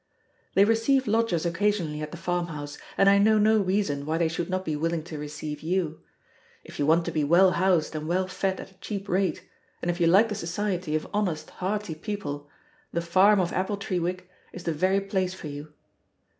They receive lodgers occasionally at the farmhouse, and I know no reason why they should not be willing to receive you. If you want to be well housed and well fed at a cheap rate, and if you like the society of honest, hearty people, the farm of Appletreewick is the very place for you.